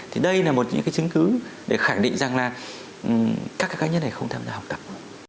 thì đây là một những cái chứng cứ để khẳng định rằng là các cái cá nhân này không tham gia học tập